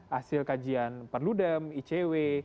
hasil kajian perludem icw